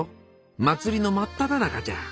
祭りの真っただ中じゃ！